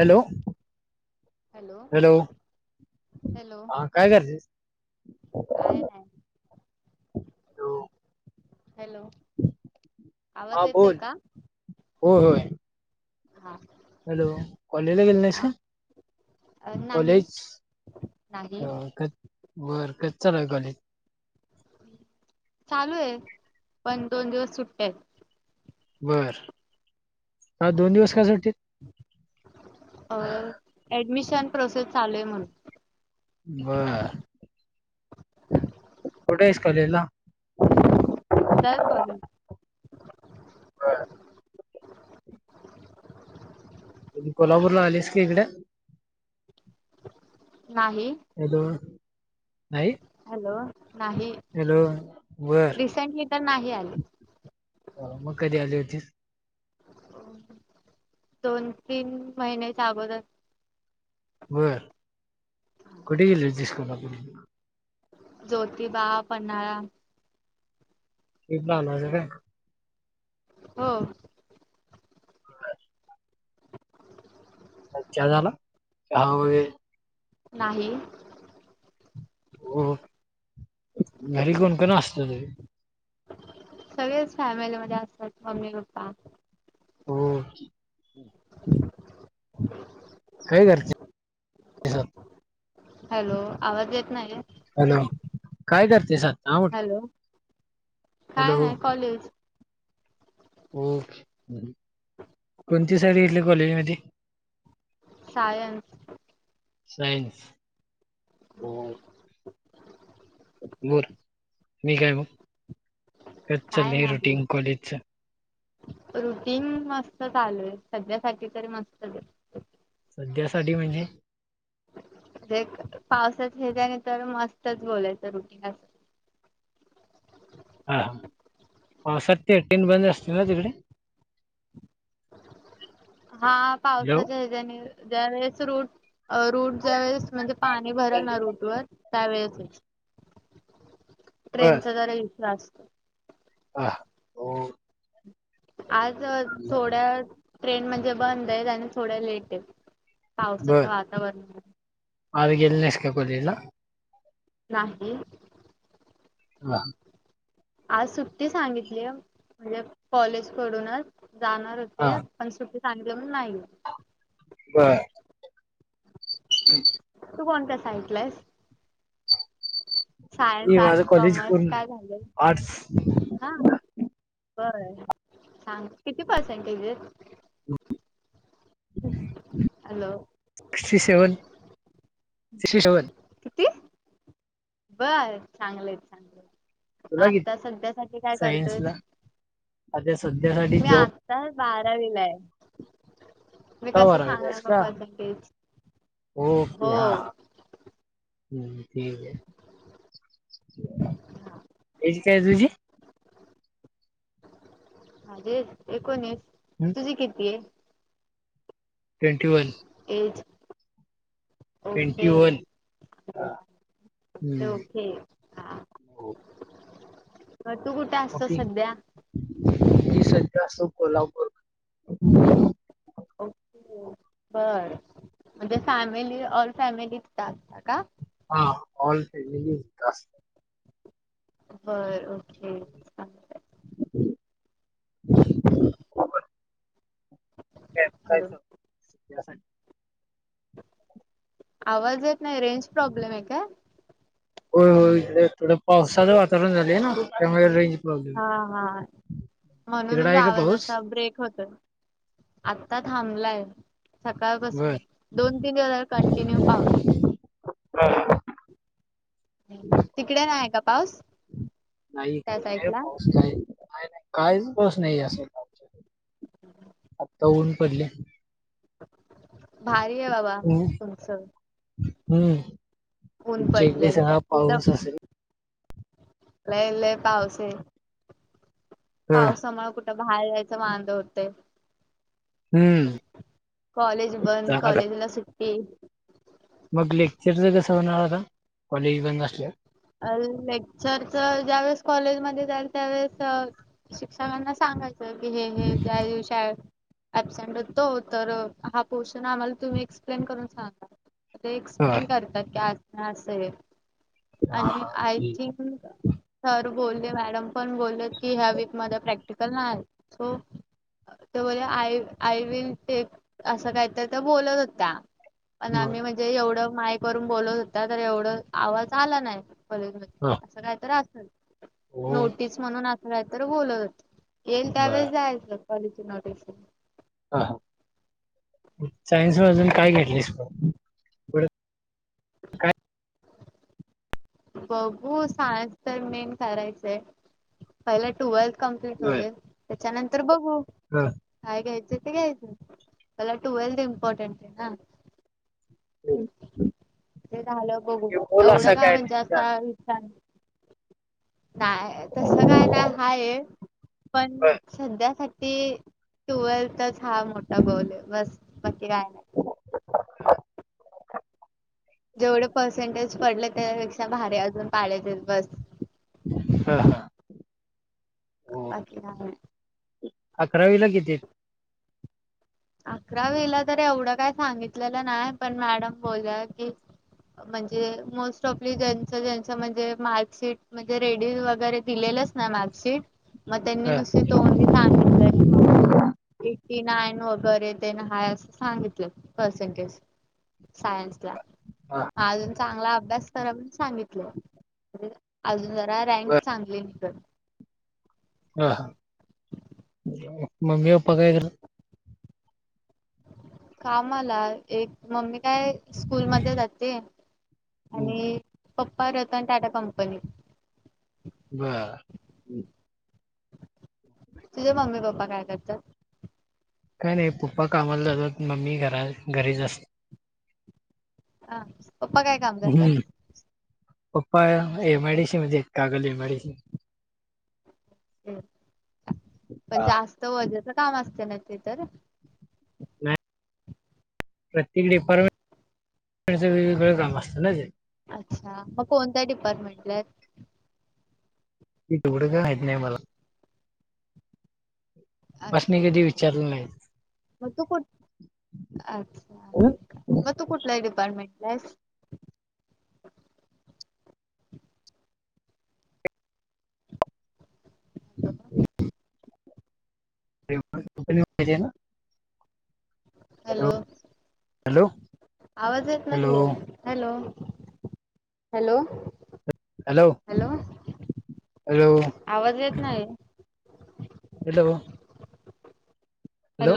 Hello hello hello हा काय करतीस काय हॅलो नाही हॅलो आवाज येतोय का हो होय हा हॅलो कॉलेजला गेली नाहीस हा काय नाही कॉलेज नाही बर कधी चालूय कॉलेज चालू आहे पण दोन दिवस सुट्ट्या आहेत बर का दोन दिवस का सुट्टीत अ ऍडमिशन प्रोसेस चालूय म्हण बरोबर कुठे आहेस कलेला किधर कॉलेज? बर कधी? कोल्हापूरला आलीस का इकडे? नाही. हॅलो नाही हॅलो नाही हॅलो.. बर.. रिसेंटली तर नाही आले अ मग कधी आली होतीस? दोन, तीन महिन्याच्या अगोदर बर... कुठं गेली होतीच कोल्हापूरला ज्योतिबा, पन्हाळा हे ट्रिपला आला होतीस काय? हो. ह [inaudible] चहा झाला. चहा वैगेरे नाही. हो. घरी कोणकोण असतं तुझ्या? सगळेच फॅमिलीमध्ये असतात. मम्मी, पप्पा हो काय करते [unintelligible] हॅलो आवाज येत नाही ए हॅलो काय करते सांग? हॅलो. काय हॅलो नाही कॉलेज? ओके. कोणती साईड घेतली कॉलेज मध्ये? सायन्स सायन्स ओ. बर मी काय मग? कच काय चाललंय नाही. रुटीन कॉलेजच रुटीन मस्त चालूय. सध्यासाठी तरी मस्तच. सध्या साठी म्हणजे? म्हंजे पावसात हेज्याने तर मस्तच बोलायचं रुटीन अस हा हा पावसात ते रुट बंद असतील ना तिकडे? ह [unintelligible] हा पावसाच्या हेज्याने ज्यावेळेस रूट अ रूट ज्या वेळेस म्हणजे, पाणी भरल ना रूट वर त्यावेेळेस बर ट्रेनचा जरा इशु असतो. हा. हो. आज थोड्या ट्रेन म्हणजे बंद आहेत आणि थोड्या लेट आहेत. बर पावसाच्या वातावरणान आज गेली नाहीस का कॉलेजला? नाही. हा. आज सुट्टी सांगितलीए म्हणजे कॉलेजकडूनच जाणार हा होते, पण सुट्टी सांगितली म्हणून नाही गेली. बर. [inaudible] तू कोणत्या साइट ला आहेस? मी सायन्स, आर्ट, माझं कॉलेज कॉमर्स पूर्ण काय झालय? आर्ट्स हा. बरं सांग किती पर्सेंटेज आहेत? [inaudible] Hello six C seven sixty seven किती बर. चांगले हायत चांगलंय. तुला किती आता सध्यासाठी काय सायन्सला करतोयस? आता सध्यासाठी मी जॉब आत्ता बारावीला हाय. मी का कसं करायलास सांगणार मग का पर्सेंटेज. ओके हो हां. हम्म ठीक आहे. हा. एज काय तुझी? माझी एकोणीस तुझी किती ए? Twenty one. Age twenty okay one ते हम्म. ओके हा हो. मग तू कुठे असतो ओके. सध्या मी सध्या असो कोल्हापूर. ओके अ. बर म्हणजे फॅमिली ऑल फॅमिली तिथ असता का? हा ऑल फॅमेली हित असतो. बर. ओके चालतंय. [unintelligible] [unintelligible] हॅलो कायच. आवाज येत नाही रेंज प्रॉब्लेम आहे काय? होय होय इकडं थोडं पावसाचं वातावरण झालेय ना त्यामुळे रेंज प्रॉब्लेम. हा हा तिकडं म्हणूनच आहे का आवाज पाऊस? आसा ब्रेक होतोय. आता थांबलाय. सकाळ बर. पासून दोन तीन दिवस कंटिन्यू पाऊस तिकडे नाही का पाऊस नाही त्या नाही साईडला पाऊस काय नाही. कायच पाऊस नाही या साइडला, आता ऊन पडले. भारी आहे बाबा हम्म. तुमच. हम्म, तुमच्या एकडे सगळा इथं पाऊूसच असेल. लय लय पावसे. हा. पावसामुळे कुठं बाहेर जायच वांद हुतंय ना? हम्म. कॉलेज बंद चांगल कॉलेजला सुट्टी. मग लेक्चरच कसं होणारता कॉलेज बंद असल्यावर अ लेक्चरच ज्यावेेळेस कॉलेजमध्ये जाईल त्यावेेळेस अ शिक्षकांना सांगायचं की हे हे त्या दिवशी अब्सेंट तो तर हा पोर्शन आम्हाला तुम्ही एक्सप्लेन करून सांगाता. ते एक्सप्लेन बर करतात की अस ना असं आहे. आणि हा आय ठीक थिंक सर बोलले मॅडम पण बोलले की ह्या वीक मध्ये प्रॅक्टिकल नाही. सो तर बोल आय आय विल टेक असं काय तर तर बोलत होतया. पण बर आम्ही म्हणजे एवढं मायक वर बोलत होताया तर एवढं आवाज आला नाही. कॉलेज मध्ये हा असं कायत असल हो नोटीस म्हणून अस काय तर बोलत होताया. येईल बर त्यावेेळेस जायच कॉलेज नोटिस येईल. हा सायन्स म अजून काय घेतलीस म. काय? बघू सायस तर मेन करायचंय पहिला टुवेल्थ कंपललीट होऊदेत त्याच्या नंतर बघू, कायय घ्याचय ते घायच, पाहिला टूयलत इम्पॉर्टन्ट आहे ना. ते झालं बघू बोल एवढं असं काय म्हणजे नाही असा विचार नाही तस काय नाही हाय पण सध्यासाठी ती टुवेल्थच हा मोठा गौल आहे, बस बाकी काय नाही. जेवढे पर्सेंटेज पडले त्यापेक्षा भारी अजून पाडायचेत बस. हा हा अ बाकी कत न्हाय. अकरावीला किती? अकरावीला तर एवढं काय सांगितलेलं नाही पण मॅडम बोल की, म्हणजे मोस्ट ऑफली ज्यांच ज्यांच म्हणजे मार्कशीट म्हणजे रेडी वगैरे दिले. दिल ना मागशीट? मग त्यांनी आहेत? नुसती तोंडी सांगितलं की एटी नान व, वगैरे ना हाय असं सांगितलं पर्सेंटेज. सायन्स ला हा अजून चांगला अभ्यास करा म्हणून सांगितलं. अजून जरा रँक चांगली निघल, हा हा मम्मी पप्पा काय? कामला एक मम्मी, काय स्कूलमध्ये जाते आणि- पप्पा रतन टाटा कंपनी. बर! तुझ्या मम्मी पप्पा काय करतात? काय नाही पप्पा कामाला जातात मम्मी घरा घरीच असते. हा पप्पा काय काम करतात? असते पप्पा एमडीसि मजेत कागल एमडीस पण हा. जास्त वजेच काम असते ना ते तर? नाही. प्रत्येक डिपार्टमेंटच वेगवेगळं काम असतं ना जे अच्छा मग कोणत्या डिपार्टमेंटला? एवडं का माहीत नाही मला पास अच्छा म कधी विचारलं. नाही मग तठ अच्छा मग तू कुठला डिपार्टमेंट बस. [unintelligible] कंहिज ना [unintelligible] हॅलो हॅलो आवाज येत नाहीये hello hello. Hello. Hello hello आवाज येत नाही. हॅलो. हॅलो.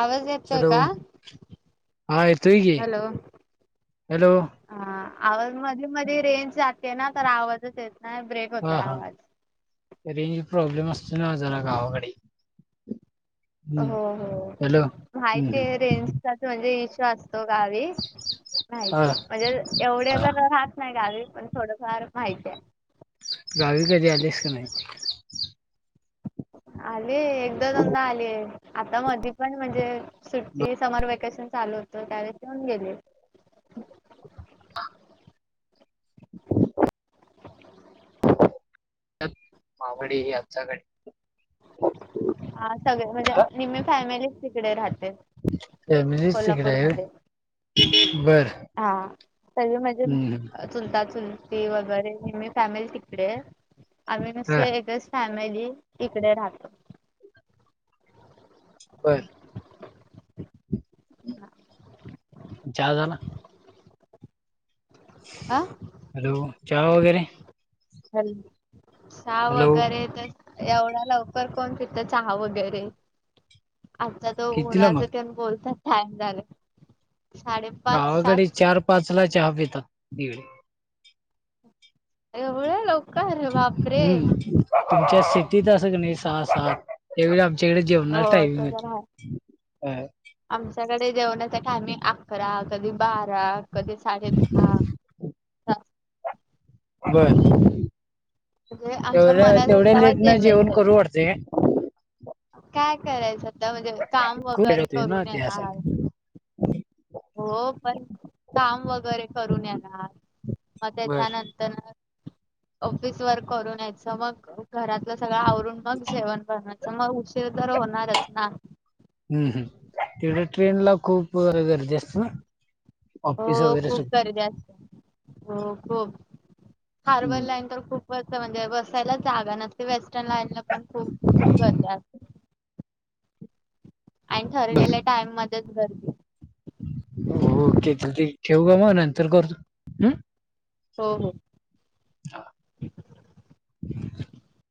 आवाज येतोय हॅलो का? हा येतो की हॅलो हॅलो. हा आवाज मधी मधी रेंज जाते ना तर आवाजच येत नाही ब्रेक होत आवाज ते प्रॉब्लेम असतो ना जरा गावाकडे हम्म हो हो हॅलो हम्म माहिती आहे हम्म रेंजच म्हणजे इश. असतो गावी हा माहिती म्हणजे एवढ तर हा राहात नाही गावी. पण थोडंफार माहिती आहे. गावी कधी आलेस का नाही? आले एकदा दोनदा आले आता मधी पण म्हणजे सुट्टी समर वेकेशन चालू होतं त्यावेळे येऊन गेले. [unintelligible] मावडे हे आचाकडे, हा सगळे म्हणजे निम्मी फॅमिली तिकडे राहत. फॅमिलीच तिकडे आहे कोल्हापूरमध्ये. होय. बर हा सगळे म्हणजे हम्म चुलता चुल ती वगैरेह ममी फॅमिली तिकडे, आम्ही हा नसे एकच फॅमिली इकडे राहतो. बर. चहा झाला. अ हॅलो, चहा वगैरे! ह साव हॅलो वगैरे तर एवढा लवकर कोण पित चहा वगैरे. आता तो कितीला उन्हाच मग तेण बोलताात टाईम झाले. गावाकडे चार पाच ला चहा पितात निडे एवढं लवकर बापरे हम्म तुमच्या सिटीत असं क नाही सहा सात त्यावेळी आमच्याकडे जेवणार हो ते टायमिंग तर आहे. त्या टायम अकरा कधी बारा कधी साडे दहा बर म्हणजे आमच्या तेवढ मनात तेवढ्या असावा लेट नाही जेवण जेवायचंय करू वाटते. काय करायचं आता म्हणजे काम वगैरे करून येणार. अन ऎंटिलेजेबल हो पण काम वगैरे करून येणार. मग त्याच्या नंतर अन ऎंटिलेजेबल ऑफिस वर्क करून यायच मग घरातल सगळ आवरून मग जेवण बनवायच मग ते तर होणारच ना ट्रेनला खुप गर्दी असते ना ऑफिस हो वगैरे सु खूप गर्दी असते हो खुप हार्बर हम्म लाईन तर खुप म्हणजे बसायला जागा न असते वेस्टर्न लाईनला पण खुप खुप गर्दी असते. आणि ठरलेल्या टाइम मध्येच गर्दी. होक तर ते ठेऊू का मग नंतर करतो हम् हो हो हा